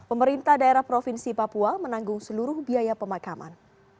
pemerintah daerah provinsi papua menanggung seluruh biaya pemakaman